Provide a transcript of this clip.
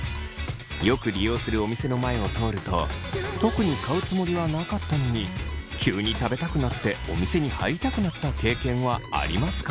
よく利用するお店の前を通ると特に買うつもりはなかったのに急に食べたくなってお店に入りたくなった経験はありますか。